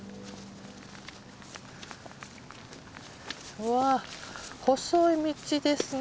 うわっ細い道ですね。